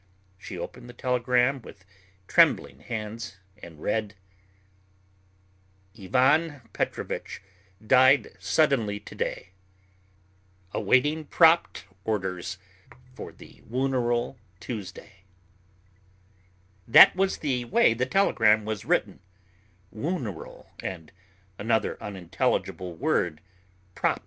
She opened the telegram with trembling hands and read: "Ivan Petrovich died suddenly to day. Awaiting propt orders for wuneral Tuesday." That was the way the telegram was written "wuneral" and another unintelligible word "propt."